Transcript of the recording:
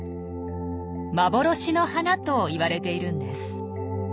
「幻の花」と言われているんです。